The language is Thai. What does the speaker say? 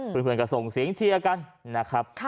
เพื่อนก็ส่งเสียงเชียร์กันนะครับ